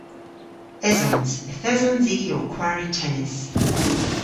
Esons. Yth esons i ow kwari tennis.